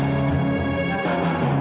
terima kasih ya